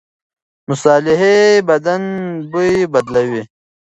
مصالحې بدن بوی بدلوي.